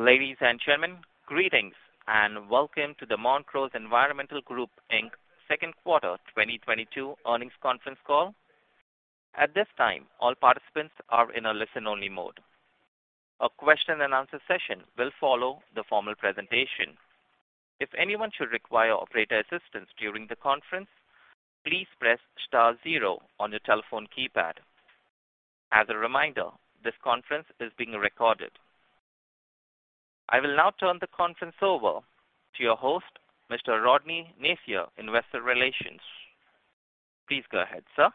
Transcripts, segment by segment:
Ladies and gentlemen, greetings and welcome to the Montrose Environmental Group, Inc.'s Second Quarter 2022 Earnings Conference Call. At this time, all participants are in a listen-only mode. A question-and-answer session will follow the formal presentation. If anyone should require operator assistance during the conference, please press star zero on your telephone keypad. As a reminder, this conference is being recorded. I will now turn the conference over to your host, Mr. Rodny Nacier, Investor Relations. Please go ahead, sir.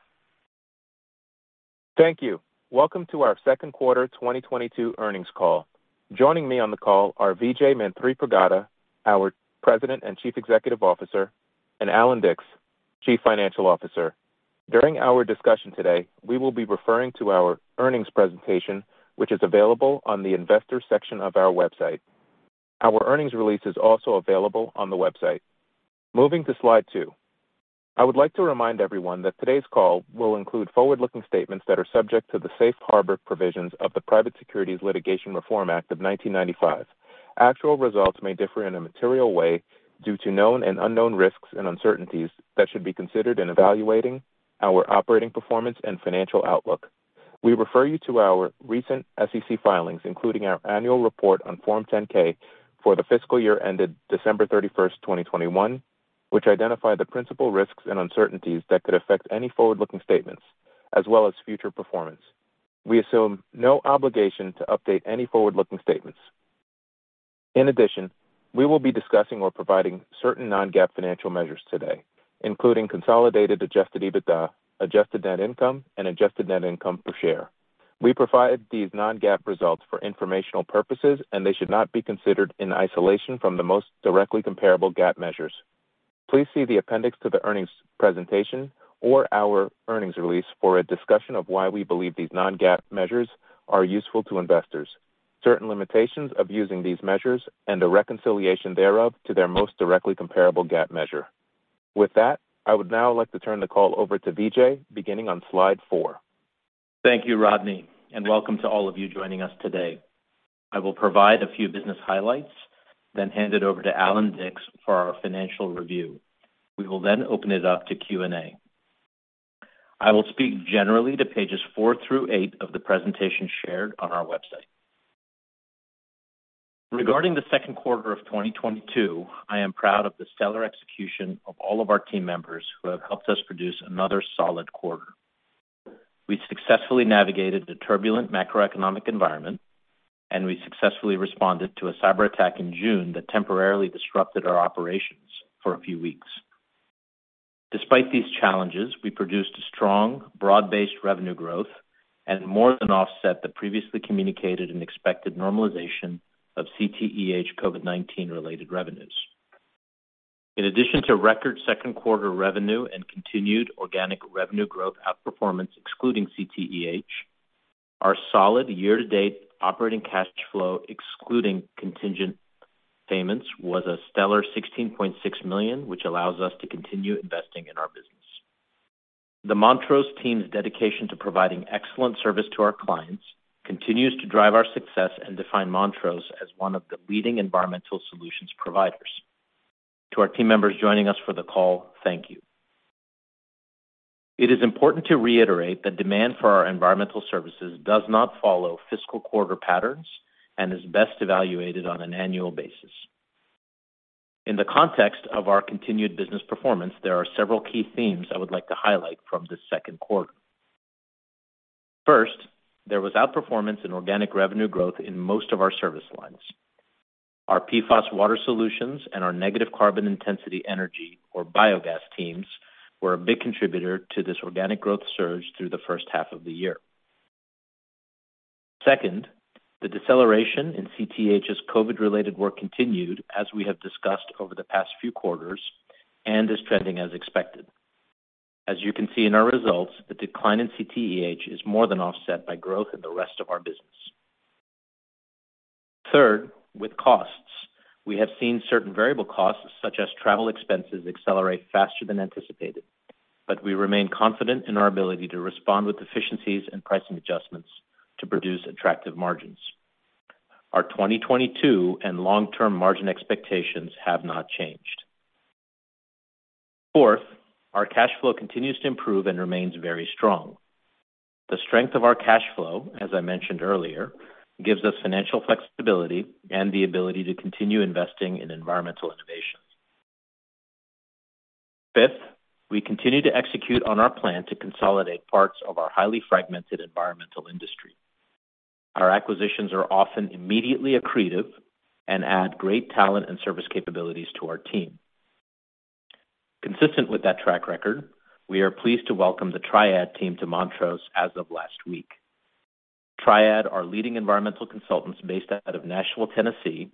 Thank you. Welcome to our Second Quarter 2022 Earnings Call. Joining me on the call are Vijay Manthripragada, our President and Chief Executive Officer, and Allan Dicks, Chief Financial Officer. During our discussion today, we will be referring to our earnings presentation, which is available on the investors section of our website. Our earnings release is also available on the website. Moving to slide two. I would like to remind everyone that today's call will include forward-looking statements that are subject to the safe harbor provisions of the Private Securities Litigation Reform Act of 1995. Actual results may differ in a material way due to known and unknown risks and uncertainties that should be considered in evaluating our operating performance and financial outlook. We refer you to our recent SEC filings, including our annual report on Form 10-K for the fiscal year ended December 31, 2021, which identify the principal risks and uncertainties that could affect any forward-looking statements as well as future performance. We assume no obligation to update any forward-looking statements. In addition, we will be discussing or providing certain non-GAAP financial measures today, including Consolidated Adjusted EBITDA, Adjusted Net Income, and adjusted net income per share. We provide these non-GAAP results for informational purposes, and they should not be considered in isolation from the most directly comparable GAAP measures. Please see the appendix to the earnings presentation or our earnings release for a discussion of why we believe these non-GAAP measures are useful to investors, certain limitations of using these measures and the reconciliation thereof to their most directly comparable GAAP measure. With that, I would now like to turn the call over to Vijay, beginning on slide four. Thank you, Rodny, and welcome to all of you joining us today. I will provide a few business highlights, then hand it over to Allan Dicks for our financial review. We will then open it up to Q&A. I will speak generally to pages four through eight of the presentation shared on our website. Regarding the second quarter of 2022, I am proud of the stellar execution of all of our team members who have helped us produce another solid quarter. We successfully navigated the turbulent macroeconomic environment, and we successfully responded to a cyberattack in June that temporarily disrupted our operations for a few weeks. Despite these challenges, we produced a strong broad-based revenue growth and more than offset the previously communicated and expected normalization of CTEH COVID-19 related revenues. In addition to record second quarter revenue and continued organic revenue growth outperformance excluding CTEH, our solid year-to-date operating cash flow excluding contingent payments was a stellar $16.6 million, which allows us to continue investing in our business. The Montrose team's dedication to providing excellent service to our clients continues to drive our success and define Montrose as one of the leading environmental solutions providers. To our team members joining us for the call, thank you. It is important to reiterate that demand for our environmental services does not follow fiscal quarter patterns and is best evaluated on an annual basis. In the context of our continued business performance, there are several key themes I would like to highlight from the second quarter. First, there was outperformance in organic revenue growth in most of our service lines. Our PFAS water solutions and our negative carbon intensity energy or biogas teams were a big contributor to this organic growth surge through the first half of the year. Second, the deceleration in CTEH's COVID-related work continued, as we have discussed over the past few quarters, and is trending as expected. As you can see in our results, the decline in CTEH is more than offset by growth in the rest of our business. Third, with costs, we have seen certain variable costs, such as travel expenses, accelerate faster than anticipated, but we remain confident in our ability to respond with efficiencies and pricing adjustments to produce attractive margins. Our 2022 and long-term margin expectations have not changed. Fourth, our cash flow continues to improve and remains very strong. The strength of our cash flow, as I mentioned earlier, gives us financial flexibility and the ability to continue investing in environmental innovations. Fifth, we continue to execute on our plan to consolidate parts of our highly fragmented environmental industry. Our acquisitions are often immediately accretive and add great talent and service capabilities to our team. Consistent with that track record, we are pleased to welcome the TriAD team to Montrose as of last week. TriAD are leading environmental consultants based out of Nashville, Tennessee.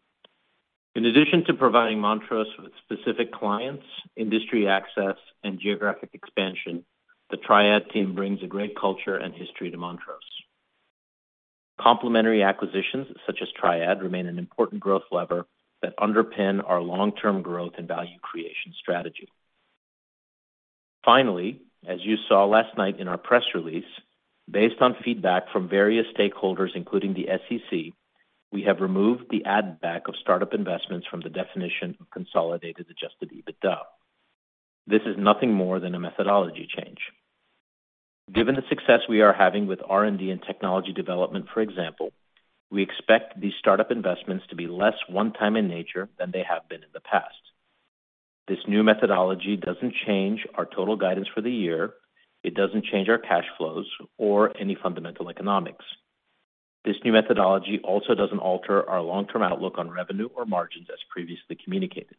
In addition to providing Montrose with specific clients, industry access, and geographic expansion, the TriAD team brings a great culture and history to Montrose. Complementary acquisitions such as TriAD remain an important growth lever that underpin our long-term growth and value creation strategy. Finally, as you saw last night in our press release, based on feedback from various stakeholders, including the SEC, we have removed the add back of startup investments from the definition of Consolidated Adjusted EBITDA. This is nothing more than a methodology change. Given the success we are having with R&D and technology development, for example, we expect these startup investments to be less one-time in nature than they have been in the past. This new methodology doesn't change our total guidance for the year. It doesn't change our cash flows or any fundamental economics. This new methodology also doesn't alter our long-term outlook on revenue or margins as previously communicated.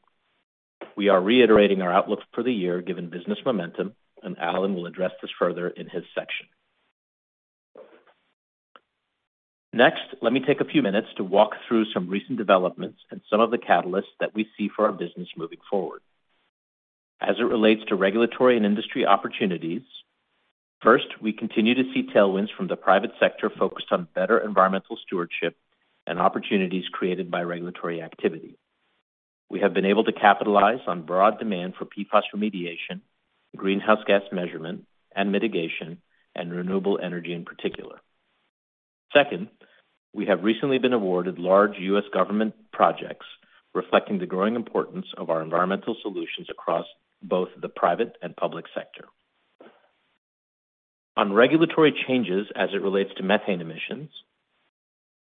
We are reiterating our outlook for the year given business momentum, and Allan will address this further in his section. Next, let me take a few minutes to walk through some recent developments and some of the catalysts that we see for our business moving forward. As it relates to regulatory and industry opportunities, first, we continue to see tailwinds from the private sector focused on better environmental stewardship and opportunities created by regulatory activity. We have been able to capitalize on broad demand for PFAS remediation, greenhouse gas measurement and mitigation, and renewable energy in particular. Second, we have recently been awarded large U.S. government projects reflecting the growing importance of our environmental solutions across both the private and public sector. On regulatory changes as it relates to methane emissions,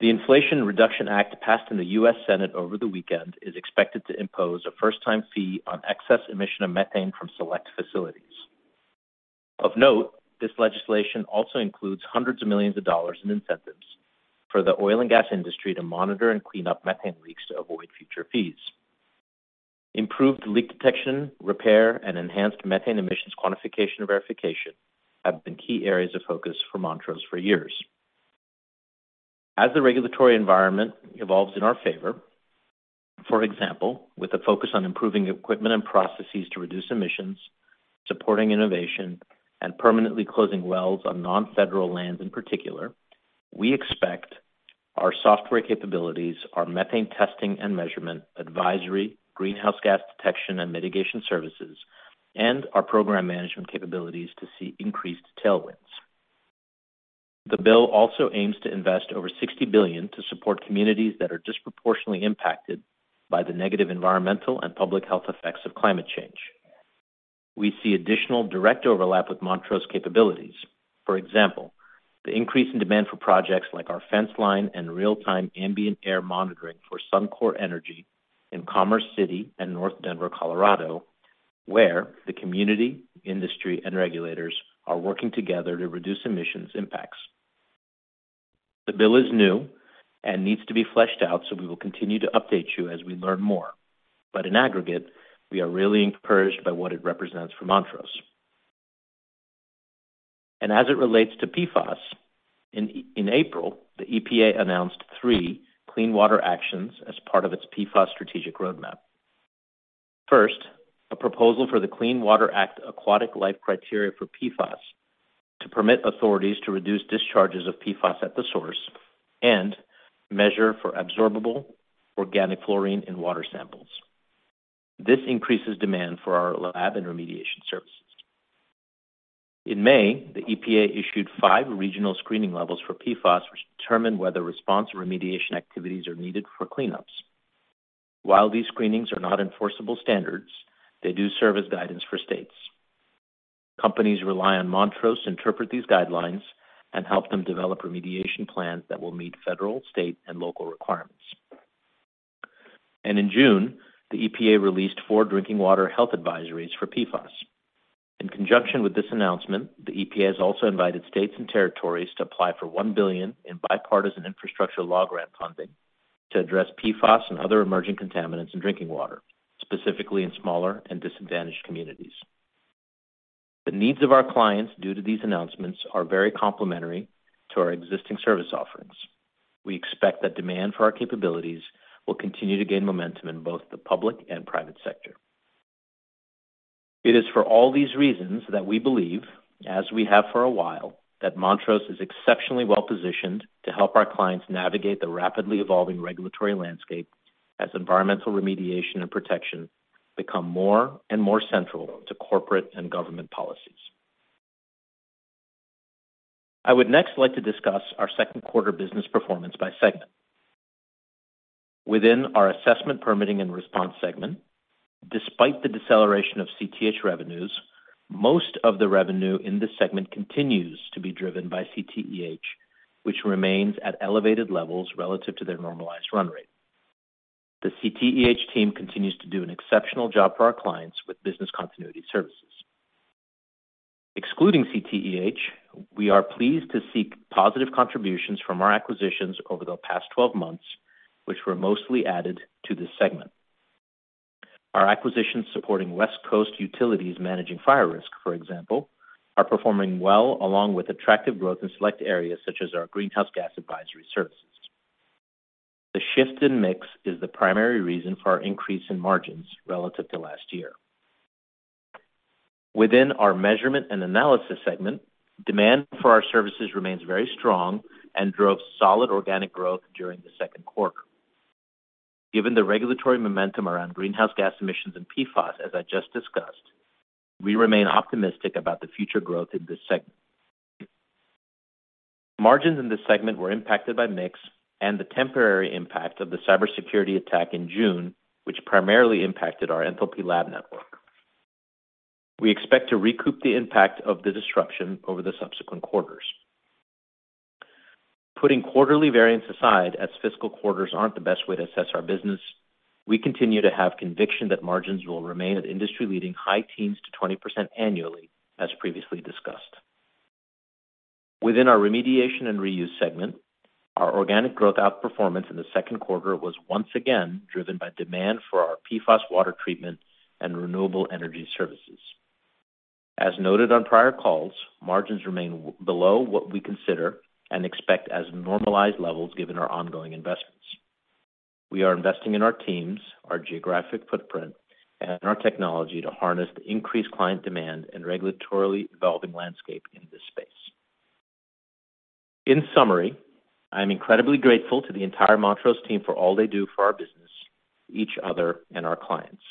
the Inflation Reduction Act passed in the U.S. Senate over the weekend is expected to impose a first-time fee on excess emission of methane from select facilities. Of note, this legislation also includes hundreds of millions of dollars in incentives for the oil and gas industry to monitor and clean up methane leaks to avoid future fees. Improved leak detection, repair, and enhanced methane emissions quantification verification have been key areas of focus for Montrose for years. As the regulatory environment evolves in our favor, for example, with a focus on improving equipment and processes to reduce emissions, supporting innovation, and permanently closing wells on non-federal lands in particular, we expect our software capabilities, our methane testing and measurement advisory, greenhouse gas detection and mitigation services, and our program-management capabilities to see increased tailwinds. The bill also aims to invest over $60 billion to support communities that are disproportionately impacted by the negative environmental and public health effects of climate change. We see additional direct overlap with Montrose capabilities. For example, the increase in demand for projects like our fence line and real-time ambient air monitoring for Suncor Energy in Commerce City and North Denver, Colorado, where the community, industry, and regulators are working together to reduce emissions impacts. The bill is new and needs to be fleshed out, so we will continue to update you as we learn more. In aggregate, we are really encouraged by what it represents for Montrose. As it relates to PFAS, in April, the EPA announced three clean water actions as part of its PFAS Strategic Roadmap. First, a proposal for the Clean Water Act aquatic life criteria for PFAS to permit authorities to reduce discharges of PFAS at the source and measure for Adsorbable Organic Fluorine in water samples. This increases demand for our lab and remediation services. In May, the EPA issued 5 regional screening levels for PFAS, which determine whether response or remediation activities are needed for cleanups. While these screenings are not enforceable standards, they do serve as guidance for states. Companies rely on Montrose to interpret these guidelines and help them develop remediation plans that will meet federal, state, and local requirements. In June, the EPA released four drinking water health advisories for PFAS. In conjunction with this announcement, the EPA has also invited states and territories to apply for $1 billion in Bipartisan Infrastructure Law grant funding to address PFAS and other emerging contaminants in drinking water, specifically in smaller and disadvantaged communities. The needs of our clients due to these announcements are very complementary to our existing service offerings. We expect that demand for our capabilities will continue to gain momentum in both the public and private sector. It is for all these reasons that we believe, as we have for a while, that Montrose is exceptionally well-positioned to help our clients navigate the rapidly evolving regulatory landscape as environmental remediation and protection become more and more central to corporate and government policies. I would next like to discuss our second quarter business performance by segment. Within our assessment, permitting, and response segment, despite the deceleration of CTEH revenues, most of the revenue in this segment continues to be driven by CTEH, which remains at elevated levels relative to their normalized run rate. The CTEH team continues to do an exceptional job for our clients with business continuity services. Excluding CTEH, we are pleased to see positive contributions from our acquisitions over the past 12 months, which were mostly added to this segment. Our acquisitions supporting West Coast utilities managing fire risk, for example, are performing well along with attractive growth in select areas such as our greenhouse gas advisory services. The shift in mix is the primary reason for our increase in margins relative to last year. Within our measurement and analysis segment, demand for our services remains very strong and drove solid organic growth during the second quarter. Given the regulatory momentum around greenhouse gas emissions and PFAS, as I just discussed, we remain optimistic about the future growth in this segment. Margins in this segment were impacted by mix and the temporary impact of the cybersecurity attack in June, which primarily impacted our Enthalpy Analytical network. We expect to recoup the impact of the disruption over the subsequent quarters. Putting quarterly variance aside, as fiscal quarters aren't the best way to assess our business, we continue to have conviction that margins will remain at industry-leading high teens to 20% annually, as previously discussed. Within our remediation and reuse segment, our organic growth outperformance in the second quarter was once again driven by demand for our PFAS water treatment and renewable energy services. As noted on prior calls, margins remain below what we consider and expect as normalized levels, given our ongoing investments. We are investing in our teams, our geographic footprint, and our technology to harness the increased client demand and regulatorily evolving landscape in this space. In summary, I am incredibly grateful to the entire Montrose team for all they do for our business, each other, and our clients.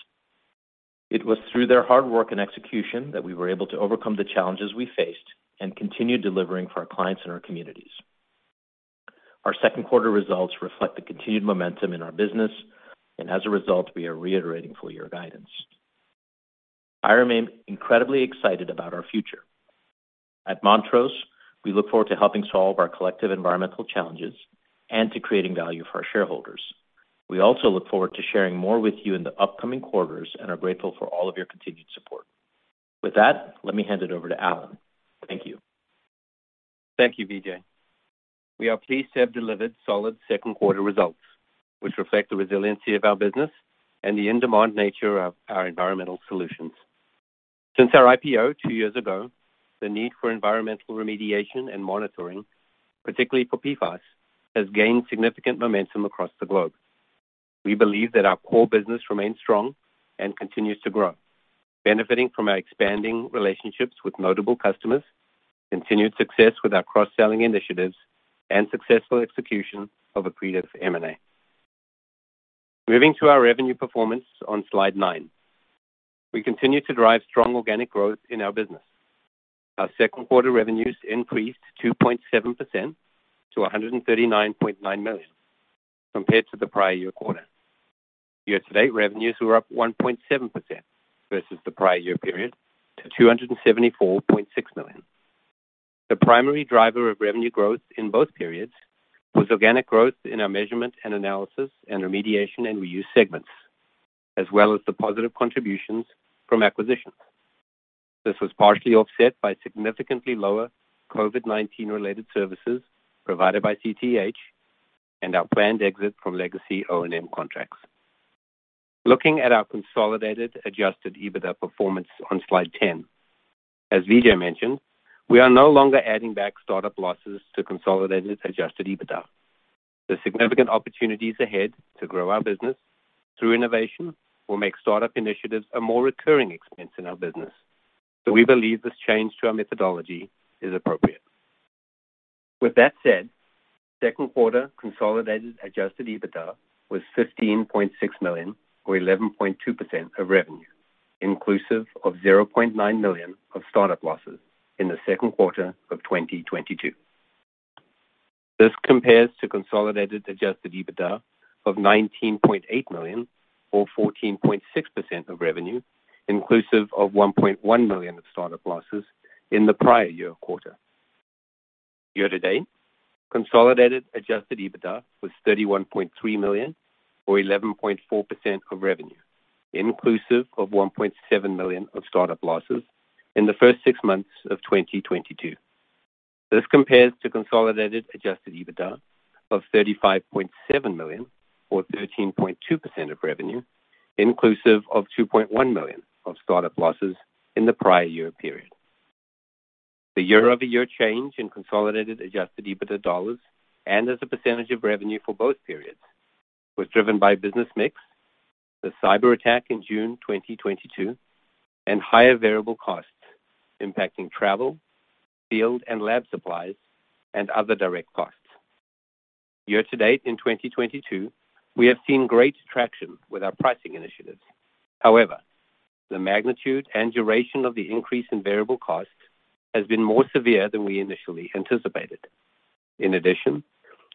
It was through their hard work and execution that we were able to overcome the challenges we faced and continue delivering for our clients and our communities. Our second quarter results reflect the continued momentum in our business and as a result, we are reiterating full-year guidance. I remain incredibly excited about our future. At Montrose, we look forward to helping solve our collective environmental challenges and to creating value for our shareholders. We also look forward to sharing more with you in the upcoming quarters and are grateful for all of your continued support. With that, let me hand it over to Allan. Thank you. Thank you, Vijay. We are pleased to have delivered solid second quarter results, which reflect the resiliency of our business and the in-demand nature of our environmental solutions. Since our IPO two years ago, the need for environmental remediation and monitoring, particularly for PFAS, has gained significant momentum across the globe. We believe that our core business remains strong and continues to grow, benefiting from our expanding relationships with notable customers, continued success with our cross-selling initiatives, and successful execution of accretive M&A. Moving to our revenue performance on slide nine. We continue to drive strong organic growth in our business. Our second quarter revenues increased 2.7% to $139.9 million compared to the prior year quarter. Year-to-date revenues were up 1.7% versus the prior year period to $274.6 million. The primary driver of revenue growth in both periods was organic growth in our measurement and analysis and remediation and reuse segments, as well as the positive contributions from acquisitions. This was partially offset by significantly lower COVID-19 related services provided by CTEH and our planned exit from legacy O&M contracts. Looking at our Consolidated Adjusted EBITDA performance on slide 10. As Vijay mentioned, we are no longer adding back startup losses to Consolidated Adjusted EBITDA. The significant opportunities ahead to grow our business through innovation will make startup initiatives a more recurring expense in our business. We believe this change to our methodology is appropriate. With that said, second quarter Consolidated Adjusted EBITDA was $15.6 million or 11.2% of revenue, inclusive of $0.9 million of startup losses in the second quarter of 2022. This compares to Consolidated Adjusted EBITDA of $19.8 million or 14.6% of revenue, inclusive of $1.1 million of startup losses in the prior year quarter. Year-to-date, Consolidated Adjusted EBITDA was $31.3 million or 11.4% of revenue, inclusive of $1.7 million of startup losses in the first six months of 2022. This compares to Consolidated Adjusted EBITDA of $35.7 million or 13.2% of revenue, inclusive of $2.1 million of startup losses in the prior year period. The year-over-year change in Consolidated Adjusted EBITDA dollars and as a percentage of revenue for both periods was driven by business mix, the cyber attack in June 2022, and higher variable costs impacting travel, field and lab supplies, and other direct costs. Year-to-date, in 2022, we have seen great traction with our pricing initiatives. However, the magnitude and duration of the increase in variable costs has been more severe than we initially anticipated. In addition,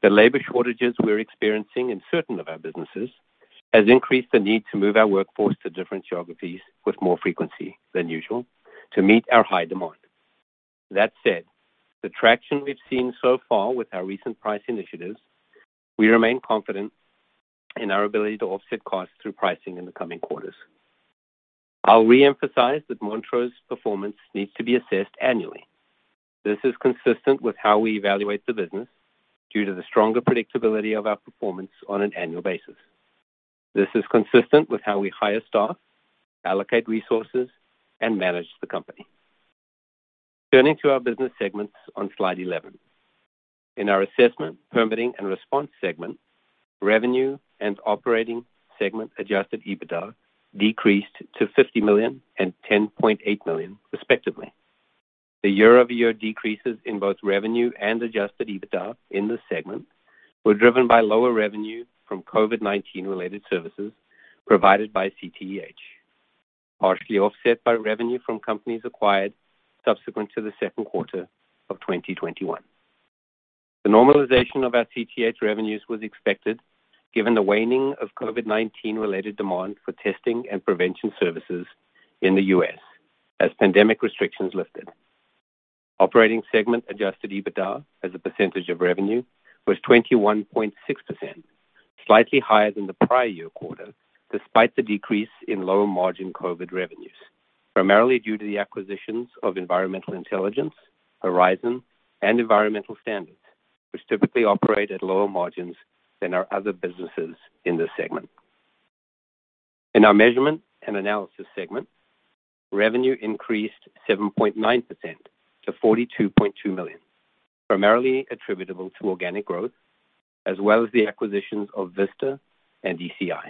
the labor shortages we're experiencing in certain of our businesses has increased the need to move our workforce to different geographies with more frequency than usual to meet our high demand. That said, the traction we've seen so far with our recent price initiatives, we remain confident in our ability to offset costs through pricing in the coming quarters. I'll reemphasize that Montrose performance needs to be assessed annually. This is consistent with how we evaluate the business due to the stronger predictability of our performance on an annual basis. This is consistent with how we hire staff, allocate resources, and manage the company. Turning to our business segments on slide 11. In our assessment, permitting and response segment, revenue and operating segment adjusted EBITDA decreased to $50 million and $10.8 million, respectively. The year-over-year decreases in both revenue and adjusted EBITDA in this segment were driven by lower revenue from COVID-19 related services provided by CTEH, partially offset by revenue from companies acquired subsequent to the second quarter of 2021. The normalization of our CTEH revenues was expected given the waning of COVID-19 related demand for testing and prevention services in the U.S. as pandemic restrictions lifted. Operating segment adjusted EBITDA as a percentage of revenue was 21.6%, slightly higher than the prior year quarter, despite the decrease in low margin COVID revenues, primarily due to the acquisitions of Environmental Intelligence, Horizon and Environmental Standards, which typically operate at lower margins than our other businesses in this segment. In our measurement and analysis segment, revenue increased 7.9% to $42.2 million, primarily attributable to organic growth as well as the acquisitions of Vista and DCI.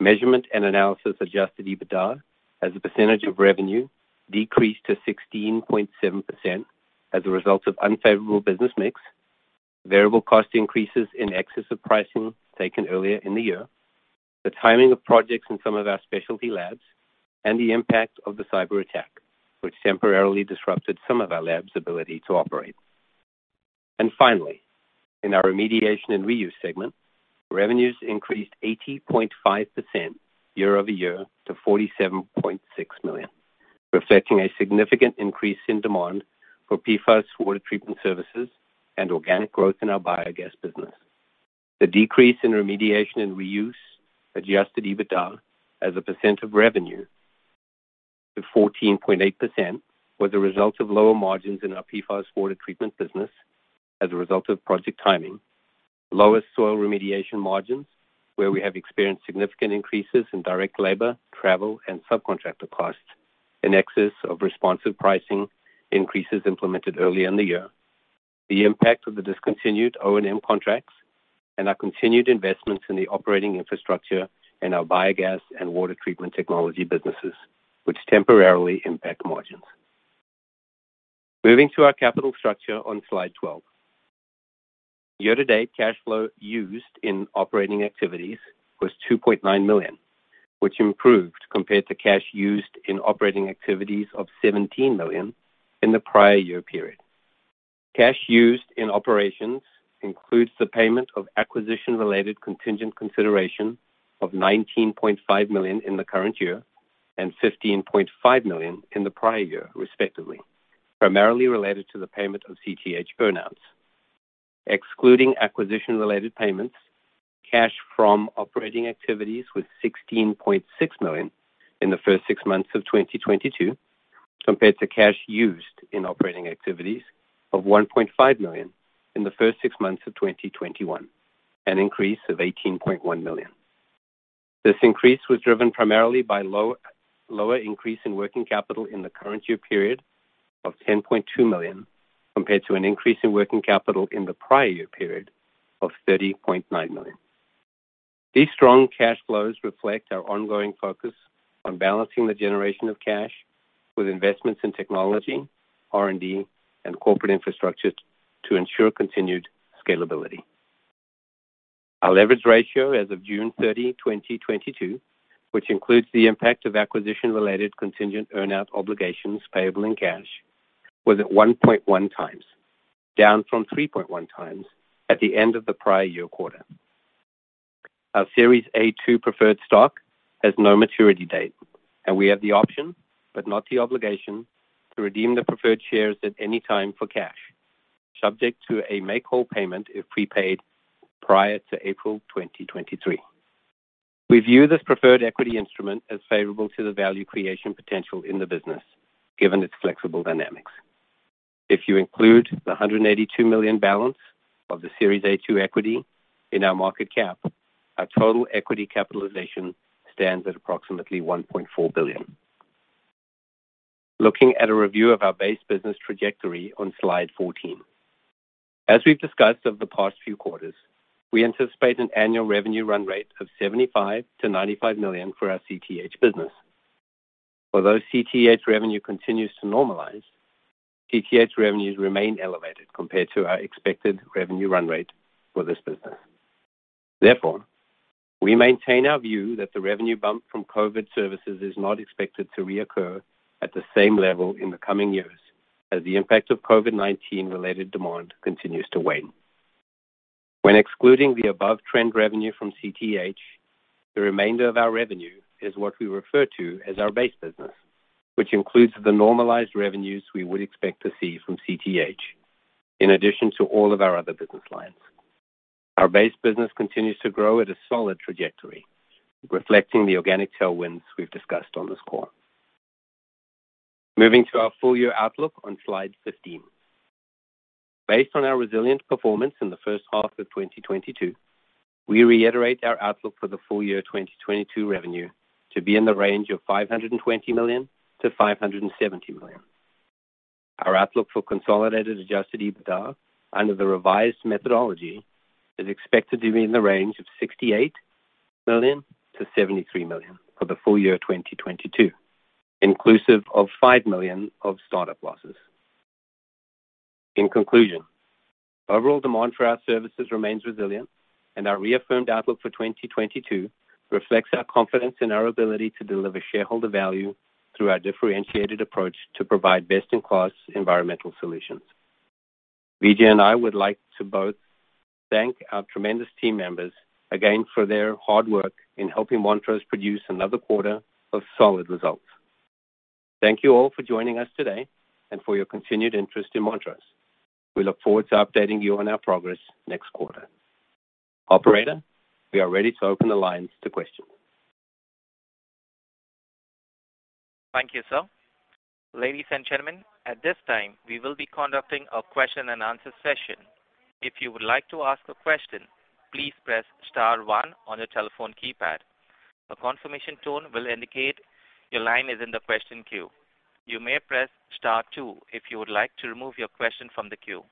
Measurement and analysis adjusted EBITDA as a percentage of revenue decreased to 16.7% as a result of unfavorable business mix, variable cost increases in excess of pricing taken earlier in the year, the timing of projects in some of our specialty labs, and the impact of the cyber attack, which temporarily disrupted some of our labs' ability to operate. Finally, in our remediation and reuse segment, revenues increased 80.5% year-over-year to $47.6 million, reflecting a significant increase in demand for PFAS water treatment services and organic growth in our biogas business. The decrease in remediation and reuse Adjusted EBITDA as a percent of revenue to 14.8% was a result of lower margins in our PFAS water treatment business as a result of project timing, lower soil remediation margins, where we have experienced significant increases in direct labor, travel, and subcontractor costs in excess of responsive pricing increases implemented early in the year, the impact of the discontinued O&M contracts and our continued investments in the operating infrastructure in our biogas and water treatment technology businesses, which temporarily impact margins. Moving to our capital structure on slide 12. Year-to-date, cash flow used in operating activities was $2.9 million, which improved compared to cash used in operating activities of $17 million in the prior year period. Cash used in operations includes the payment of acquisition-related contingent consideration of $19.5 million in the current year and $15.5 million in the prior year, respectively, primarily related to the payment of CTEH earnouts. Excluding acquisition-related payments, cash from operating activities was $16.6 million in the first six months of 2022, compared to cash used in operating activities of $1.5 million in the first six months of 2021, an increase of $18.1 million. This increase was driven primarily by lower increase in working capital in the current year period of $10.2 million, compared to an increase in working capital in the prior year period of $30.9 million. These strong cash flows reflect our ongoing focus on balancing the generation of cash with investments in technology, R&D and corporate infrastructure to ensure continued scalability. Our leverage ratio as of June 30, 2022, which includes the impact of acquisition-related contingent earnout obligations payable in cash, was at 1.1 times, down from 3.1 times at the end of the prior year quarter. Our Series A-2 preferred stock has no maturity date, and we have the option, but not the obligation, to redeem the preferred shares at any time for cash, subject to a make-whole payment if prepaid prior to April 2023. We view this preferred equity instrument as favorable to the value creation potential in the business, given its flexible dynamics. If you include the $182 million balance of the Series A-2 equity in our market cap, our total equity capitalization stands at approximately $1.4 billion. Looking at a review of our base business trajectory on slide 14. As we've discussed over the past few quarters, we anticipate an annual revenue run rate of $75 million-$95 million for our CTEH business. Although CTEH revenue continues to normalize, CTEH revenues remain elevated compared to our expected revenue run rate for this business. Therefore, we maintain our view that the revenue bump from COVID services is not expected to reoccur at the same level in the coming years as the impact of COVID-19 related demand continues to wane. When excluding the above trend revenue from CTEH, the remainder of our revenue is what we refer to as our base business, which includes the normalized revenues we would expect to see from CTEH in addition to all of our other business lines. Our base business continues to grow at a solid trajectory, reflecting the organic tailwinds we've discussed on this call. Moving to our full year outlook on slide 15. Based on our resilient performance in the first half of 2022, we reiterate our outlook for the full year 2022 revenue to be in the range of $520 million-$570 million. Our outlook for Consolidated Adjusted EBITDA under the revised methodology is expected to be in the range of 68 Million to $73 million for the full year 2022, inclusive of $5 million of startup losses. In conclusion, overall demand for our services remains resilient, and our reaffirmed outlook for 2022 reflects our confidence in our ability to deliver shareholder value through our differentiated approach to provide best in class environmental solutions. Vijay and I would like to both thank our tremendous team members again for their hard work in helping Montrose produce another quarter of solid results. Thank you all for joining us today and for your continued interest in Montrose. We look forward to updating you on our progress next quarter. Operator, we are ready to open the lines to questions. Thank you, sir. Ladies and gentlemen, at this time, we will be conducting a question and answer session. If you would like to ask a question, please press star one on your telephone keypad. A confirmation tone will indicate your line is in the question queue. You may press star two if you would like to remove your question from the queue.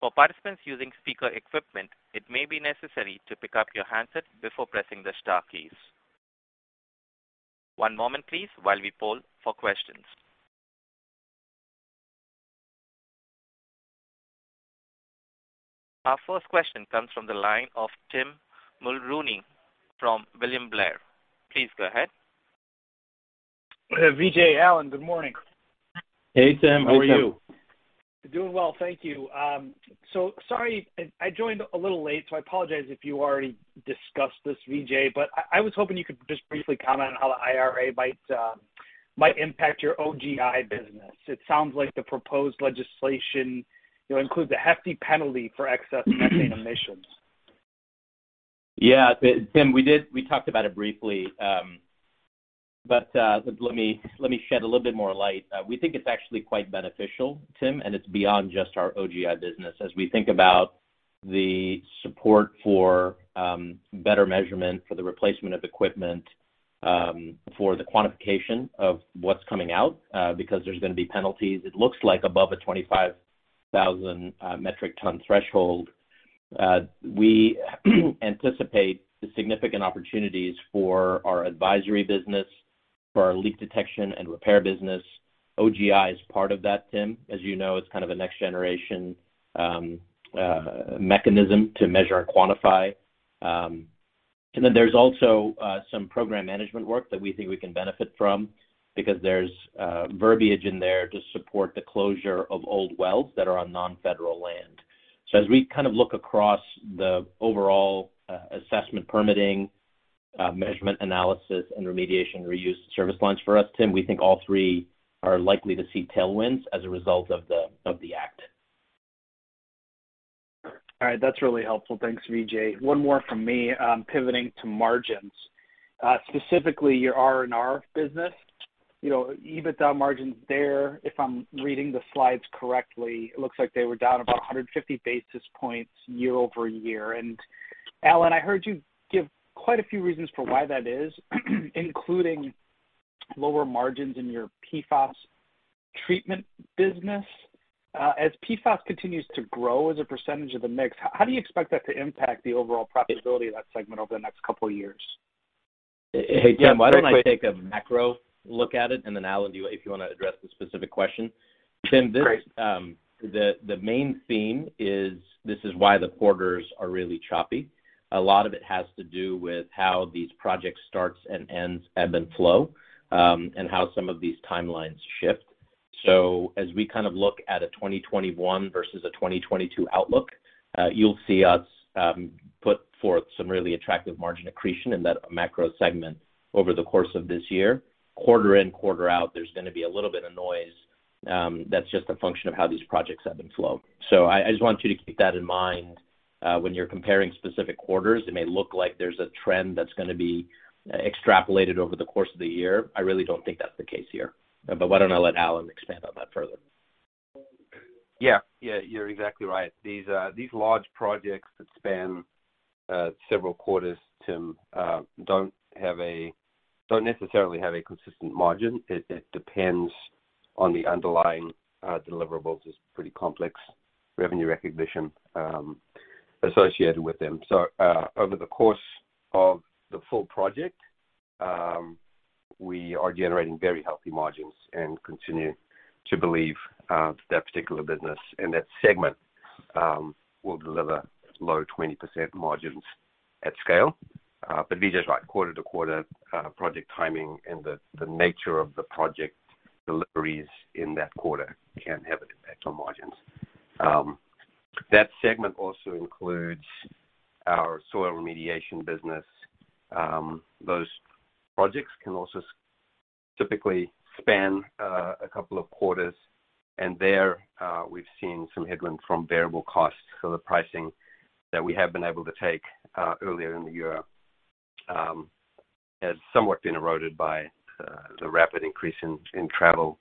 For participants using speaker equipment, it may be necessary to pick up your handset before pressing the star keys. One moment, please, while we poll for questions. Our first question comes from the line of Tim Mulrooney from William Blair. Please go ahead. Vijay, Allan, good morning. Hey, Tim. How are you? Doing well. Thank you. Sorry, I joined a little late, so I apologize if you already discussed this, Vijay, but I was hoping you could just briefly comment on how the IRA might impact your OGI business. It sounds like the proposed legislation, you know, includes a hefty penalty for excess methane emissions. Yeah. Tim, we talked about it briefly, but let me shed a little bit more light. We think it's actually quite beneficial, Tim, and it's beyond just our OGI business. As we think about the support for better measurement for the replacement of equipment for the quantification of what's coming out, because there's gonna be penalties, it looks like above a 25,000 metric ton threshold. We anticipate the significant opportunities for our advisory business, for our leak detection and repair business. OGI is part of that, Tim. As you know, it's kind of a next generation mechanism to measure and quantify. There's also some program management work that we think we can benefit from because there's verbiage in there to support the closure of old wells that are on non-federal land. As we kind of look across the overall assessment permitting measurement analysis and remediation reuse service lines for us, Tim, we think all three are likely to see tailwinds as a result of the act. All right. That's really helpful. Thanks, Vijay. One more from me, pivoting to margins, specifically your R&R business. You know, EBITDA margins there, if I'm reading the slides correctly, it looks like they were down about 150 basis points year-over-year. Allan, I heard you give quite a few reasons for why that is, including lower margins in your PFAS treatment business. As PFAS continues to grow as a percentage of the mix, how do you expect that to impact the overall profitability of that segment over the next couple of years? Hey, Tim. Why don't I take a macro look at it, and then Allan, you if you wanna address the specific question. Great. Tim, the main theme is this is why the quarters are really choppy. A lot of it has to do with how these project starts and ends ebb and flow, and how some of these timelines shift. As we kind of look at a 2021 versus a 2022 outlook, you'll see us put forth some really attractive margin accretion in that macro segment over the course of this year. Quarter in, quarter out, there's gonna be a little bit of noise, that's just a function of how these projects ebb and flow. I just want you to keep that in mind when you're comparing specific quarters. It may look like there's a trend that's gonna be extrapolated over the course of the year. I really don't think that's the case here. Why don't I let Allan expand on that further? Yeah, you're exactly right. These large projects that span several quarters, Tim, don't necessarily have a consistent margin. It depends on the underlying deliverables. It's pretty complex revenue recognition associated with them. Over the course of the full project, we are generating very healthy margins and continue to believe that particular business and that segment will deliver low 20% margins at scale. Vijay's right. Quarter-to-quarter, project timing and the nature of the project deliveries in that quarter can have an impact on margins. That segment also includes our soil remediation business. Those projects can also typically span a couple of quarters. There, we've seen some headwind from variable costs. The pricing that we have been able to take earlier in the year has somewhat been eroded by the rapid increase in travel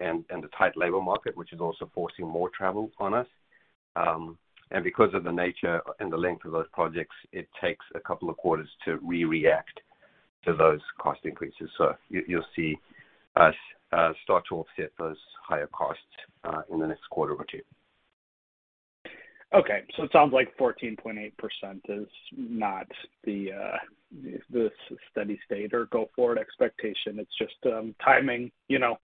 and the tight labor market, which is also forcing more travel on us. Because of the nature and the length of those projects, it takes a couple of quarters to react to those cost increases. You'll see us start to offset those higher costs in the next quarter or two. Okay. It sounds like 14.8% is not the steady state or go-forward expectation. It's just timing, you know,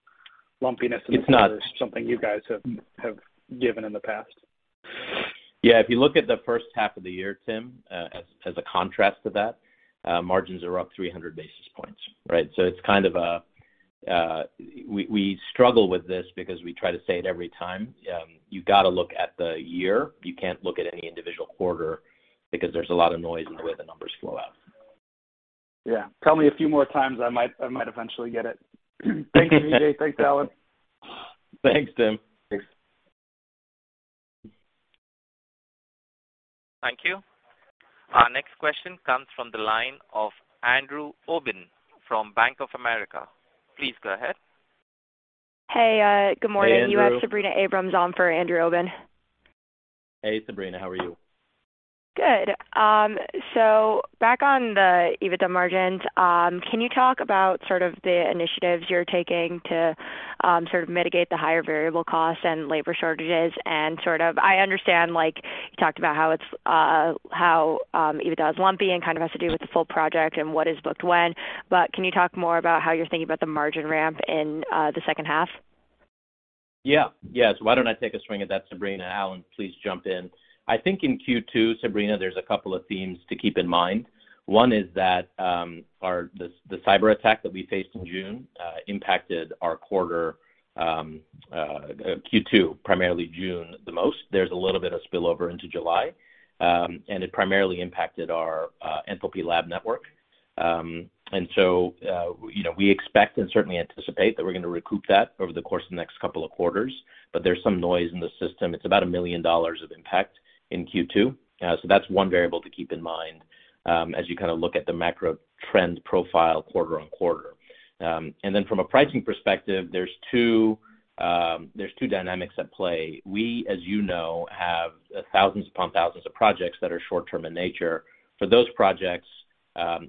lumpiness. It's not. Numbers, something you guys have given in the past. Yeah. If you look at the first half of the year, Tim, as a contrast to that, margins are up 300 basis points, right? It's kind of, we struggle with this because we try to say it every time. You've got to look at the year. You can't look at any individual quarter because there's a lot of noise in the way the numbers flow out. Yeah. Tell me a few more times, I might eventually get it. Thanks, Vijay. Thanks, Allan. Thanks, Tim. Thanks. Thank you. Our next question comes from the line of Andrew Obin from Bank of America. Please go ahead. Hey, good morning. Hey, Andrew. You have Sabrina Abrams on for Andrew Obin. Hey, Sabrina. How are you? Good. Back on the EBITDA margins, can you talk about sort of the initiatives you're taking to sort of mitigate the higher variable costs and labor shortages and sort of I understand, like, you talked about how it's EBITDA is lumpy and kind of has to do with the full project and what is booked when. Can you talk more about how you're thinking about the margin ramp in the second half? Yeah. Yes. Why don't I take a swing at that, Sabrina. Allan, please jump in. I think in Q2, Sabrina, there's a couple of themes to keep in mind. One is that the cyberattack that we faced in June impacted our quarter Q2, primarily June the most. There's a little bit of spillover into July. It primarily impacted our Enthalpy Lab network. You know, we expect and certainly anticipate that we're gonna recoup that over the course of the next couple of quarters. There's some noise in the system. It's about $1 million of impact in Q2. That's one variable to keep in mind as you kind of look at the macro trends profile quarter-over-quarter. From a pricing perspective, there's two dynamics at play. We, as you know, have thousands upon thousands of projects that are short-term in nature. For those projects,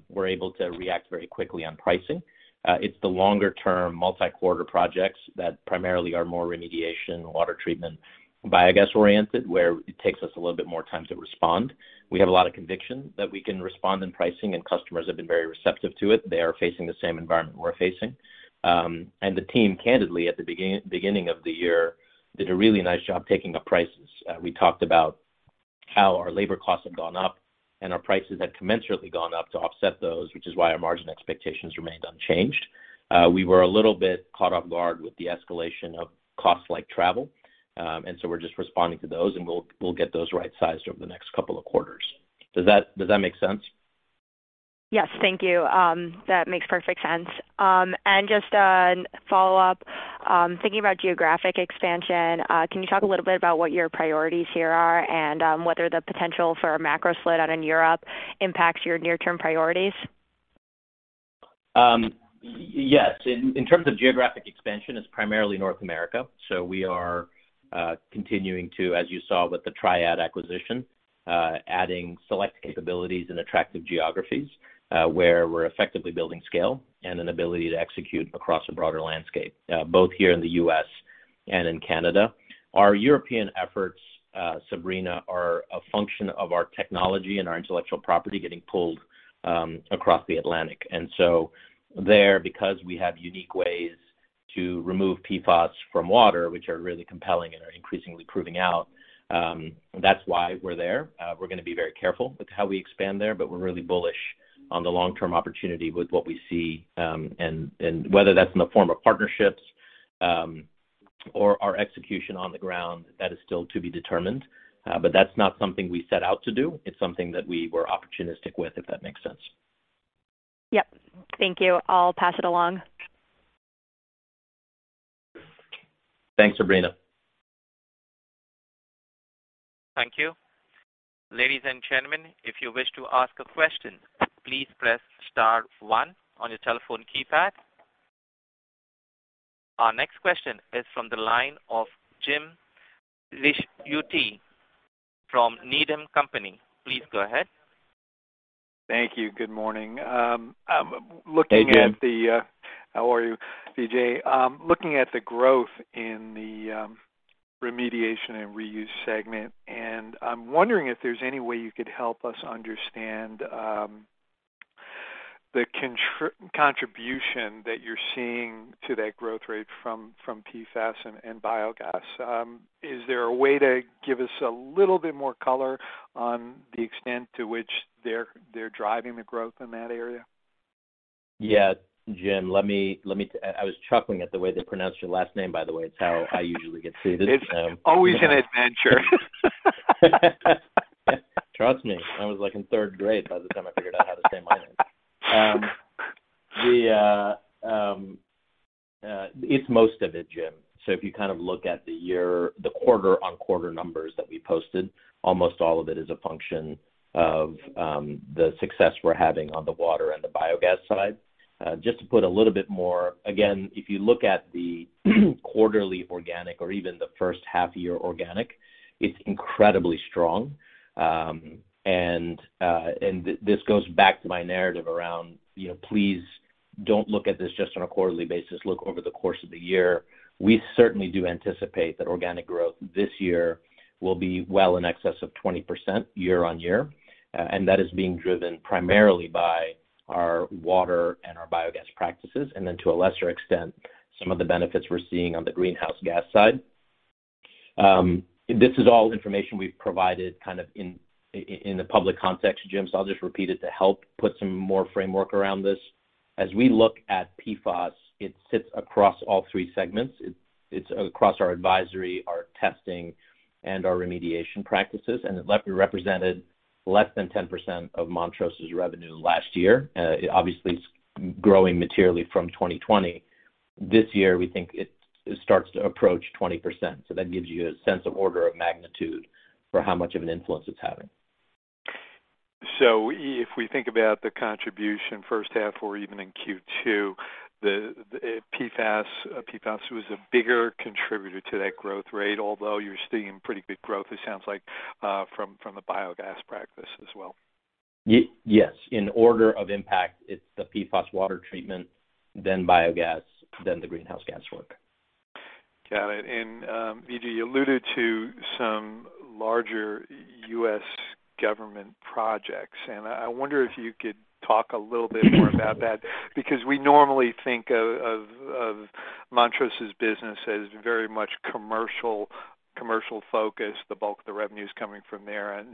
we're able to react very quickly on pricing. It's the longer term multi-quarter projects that primarily are more remediation, water treatment, biogas oriented, where it takes us a little bit more time to respond. We have a lot of conviction that we can respond in pricing, and customers have been very receptive to it. They are facing the same environment we're facing. The team, candidly, at the beginning of the year, did a really nice job taking up prices. We talked about how our labor costs have gone up and our prices had commensurately gone up to offset those, which is why our margin expectations remained unchanged. We were a little bit caught off guard with the escalation of costs like travel. We're just responding to those, and we'll get those right-sized over the next couple of quarters. Does that make sense? Yes. Thank you. That makes perfect sense. Just a follow-up, thinking about geographic expansion, can you talk a little bit about what your priorities here are and whether the potential for a macro slowdown in Europe impacts your near-term priorities? Yes. In terms of geographic expansion, it's primarily North America. We are continuing to, as you saw with the TriAD acquisition, adding select capabilities in attractive geographies, where we're effectively building scale and an ability to execute across a broader landscape, both here in the U.S. and in Canada. Our European efforts, Sabrina, are a function of our technology and our intellectual property getting pulled across the Atlantic. There, because we have unique ways to remove PFAS from water, which are really compelling and are increasingly proving out, that's why we're there. We're gonna be very careful with how we expand there, but we're really bullish on the long-term opportunity with what we see, and whether that's in the form of partnerships, or our execution on the ground, that is still to be determined. That's not something we set out to do. It's something that we were opportunistic with, if that makes sense. Yep. Thank you. I'll pass it along. Thanks, Sabrina. Thank you. Ladies and gentlemen, if you wish to ask a question, please press star one on your telephone keypad. Our next question is from the line of James Ricchiuti from Needham & Company. Please go ahead. Thank you. Good morning. I'm looking at the.. Hey, Jim. ...How are you, Vijay? Looking at the growth in the remediation and reuse segment, and I'm wondering if there's any way you could help us understand the contribution that you're seeing to that growth rate from PFAS and biogas. Is there a way to give us a little bit more color on the extent to which they're driving the growth in that area? Yeah. Jim, let me. I was chuckling at the way they pronounced your last name, by the way. It's how I usually get through this. It's always an adventure. Trust me. I was, like, in third grade by the time I figured out how to say my name. It's most of it, Jim. If you kind of look at the year, the quarter-over-quarter numbers that we posted, almost all of it is a function of the success we're having on the water and the biogas side. Just to put a little bit more, again, if you look at the quarterly organic or even the first half year organic, it's incredibly strong. And this goes back to my narrative around, you know, please don't look at this just on a quarterly basis, look over the course of the year. We certainly do anticipate that organic growth this year will be well in excess of 20% year-over-year. That is being driven primarily by our water and our biogas practices, and then to a lesser extent, some of the benefits we're seeing on the greenhouse gas side. This is all information we've provided kind of in the public context, Jim, so I'll just repeat it to help put some more framework around this. As we look at PFAS, it sits across all three segments. It's across our advisory, our testing, and our remediation practices, and it represented less than 10% of Montrose's revenue last year. Obviously, it's growing materially from 2020. This year, we think it starts to approach 20%. That gives you a sense of order of magnitude for how much of an influence it's having. If we think about the contribution first half or even in Q2, the PFAS was a bigger contributor to that growth rate, although you're seeing pretty big growth, it sounds like, from a biogas practice as well. Yes. In order of impact, it's the PFAS water treatment, then biogas, then the greenhouse gas work. Got it. Vijay, you alluded to some larger U.S. government projects, and I wonder if you could talk a little bit more about that because we normally think of Montrose's business as very much commercial-focused. The bulk of the revenue is coming from there. Is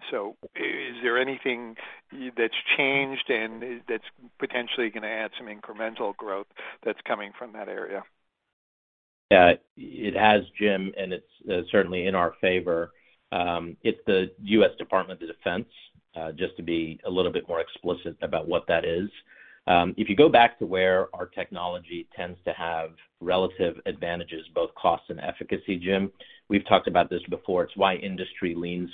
there anything that's changed and that's potentially gonna add some incremental growth that's coming from that area? Yeah, it has, Jim, and it's certainly in our favor. It's the U.S. Department of Defense, just to be a little bit more explicit about what that is. If you go back to where our technology tends to have relative advantages, both cost and efficacy, Jim, we've talked about this before. It's why industry leans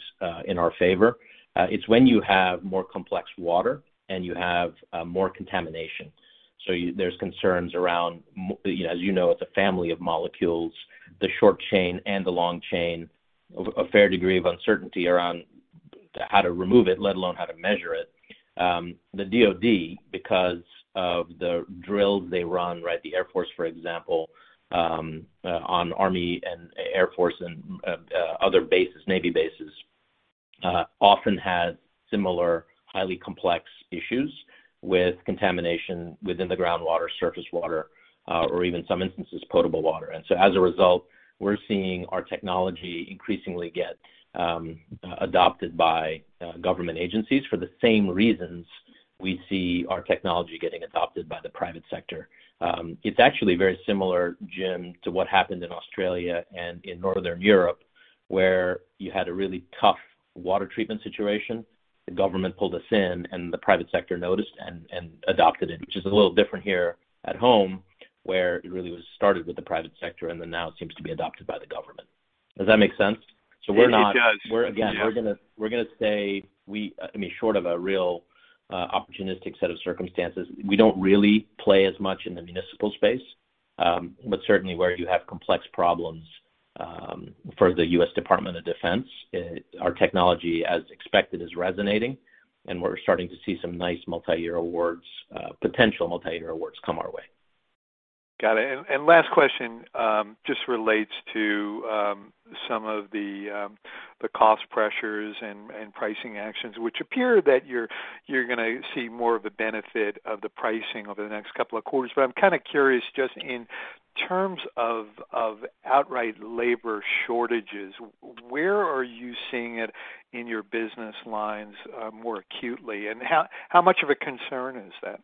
in our favor. It's when you have more complex water and you have more contamination. There's concerns around, as you know, it's a family of molecules, the short chain and the long chain, a fair degree of uncertainty around how to remove it, let alone how to measure it. The DoD, because of the drills they run, right, the Air Force, for example, on Army and Air Force and other bases, Navy bases, often have similar highly complex issues with contamination within the groundwater, surface water, or even some instances, potable water. As a result, we're seeing our technology increasingly get adopted by government agencies for the same reasons we see our technology getting adopted by the private sector. It's actually very similar, Jim, to what happened in Australia and in Northern Europe, where you had a really tough water treatment situation. The government pulled us in and the private sector noticed and adopted it, which is a little different here at home, where it really was started with the private sector, and then now it seems to be adopted by the government. Does that make sense? It does. We're again gonna say I mean, short of a real opportunistic set of circumstances, we don't really play as much in the municipal space. Certainly where you have complex problems, for the U.S. Department of Defense, our technology, as expected, is resonating, and we're starting to see some nice multi-year awards, potential multi-year awards come our way. Got it. Last question just relates to some of the cost pressures and pricing actions, which appear that you're gonna see more of the benefit of the pricing over the next couple of quarters. But I'm kinda curious, just in terms of outright labor shortages, where are you seeing it in your business lines more acutely? How much of a concern is that?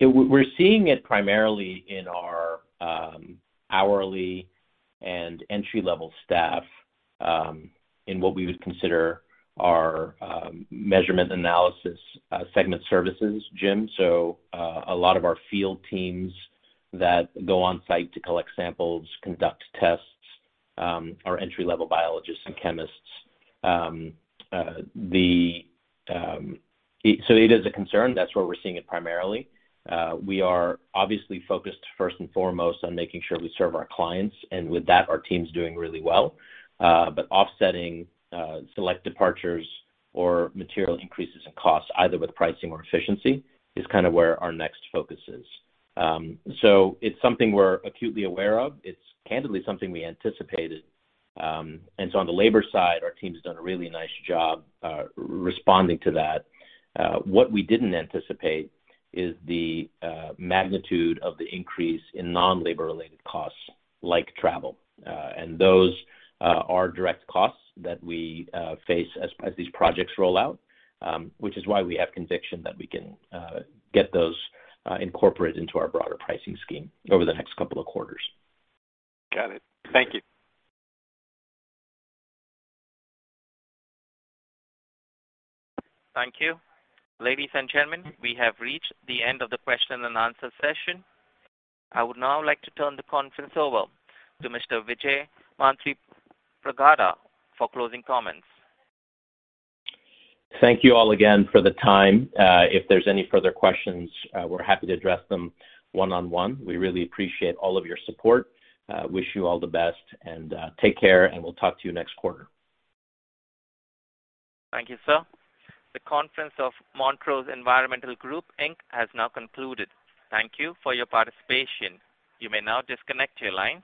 We're seeing it primarily in our hourly and entry-level staff in what we would consider our measurement analysis segment services, Jim. A lot of our field teams that go on site to collect samples, conduct tests are entry-level biologists and chemists. It is a concern. That's where we're seeing it primarily. We are obviously focused first and foremost on making sure we serve our clients. With that, our team's doing really well. Offsetting select departures or material increases in costs, either with pricing or efficiency, is kinda where our next focus is. It's something we're acutely aware of. It's candidly something we anticipated. On the labor side, our team has done a really nice job responding to that. What we didn't anticipate is the magnitude of the increase in non-labor related costs like travel. Those are direct costs that we face as these projects roll out, which is why we have conviction that we can get those incorporated into our broader pricing scheme over the next couple of quarters. Got it. Thank you. Thank you. Ladies and gentlemen, we have reached the end of the question and answer session. I would now like to turn the conference over to Mr. Vijay Manthripragada for closing comments. Thank you all again for the time. If there's any further questions, we're happy to address them one-on-one. We really appreciate all of your support. Wish you all the best, and take care, and we'll talk to you next quarter. Thank you, sir. The conference of Montrose Environmental Group, Inc. has now concluded. Thank you for your participation. You may now disconnect your lines.